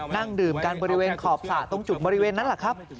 นั่งดื่มกันบริเวณขอบสระตรงจุดบริเวณนั้นแหละครับ